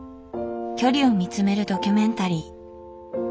「距離」を見つめるドキュメンタリー。